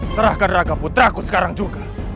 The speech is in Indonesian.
serahkan raga putraku sekarang juga